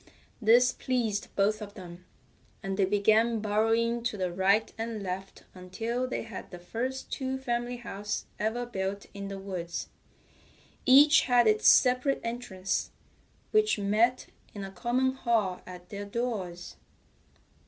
This pleased both of them, and they began burrowing to the right and left until they had the first two family house ever built in the woods. Each had its separate entrance, which met in a common hall at their doors.